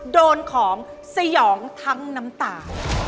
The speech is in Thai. โดนของสยองทั้งน้ำตา